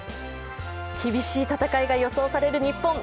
厳しい戦いが予想される日本。